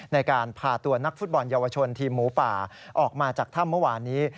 ในการพาตัวนักฟุตบอลเยาวชนทีมหมูป่าออกมาจากถ้ำเมื่อวานนี้